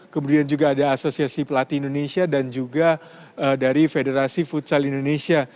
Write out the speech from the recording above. kemudian juga ada asosiasi pelatih indonesia dan juga dari federasi futsal indonesia